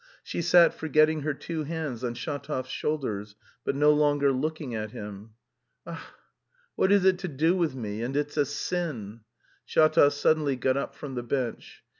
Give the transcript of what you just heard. She sat forgetting her two hands on Shatov's shoulders, but no longer looking at him. "Ach, what is it to do with me, and it's a sin." Shatov suddenly got up from the bench.